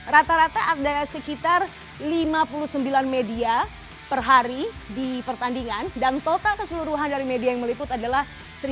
rata rata ada sekitar lima puluh sembilan media per hari di pertandingan dan total keseluruhan dari media yang meliput adalah satu dua ratus delapan puluh sembilan